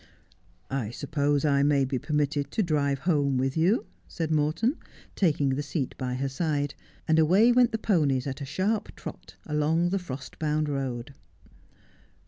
' I suppose I may be permitted to drive home with you,' said Morton, taking the seat by her side ; and away went the ponies, at a sharp trot, along the frost bound road.